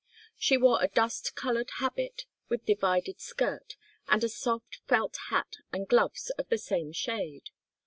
She wore a dust colored habit with divided skirt, and a soft felt hat and gloves of the same shade.